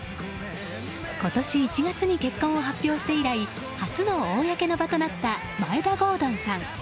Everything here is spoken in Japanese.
今年１月に結婚を発表して以来初めての公の場となった眞栄田郷敦さん。